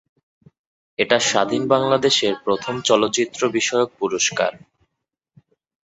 এটা স্বাধীন বাংলাদেশের প্রথম চলচ্চিত্র বিষয়ক পুরস্কার।